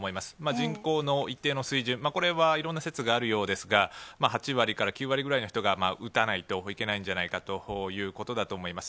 人口の一定の水準、これはいろんな説があるようですが、８割から９割ぐらいの人が打たないといけないんじゃないかということだと思います。